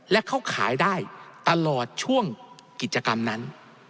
และเขาขายได้ตลอดช่วงกิจกรรมนั้น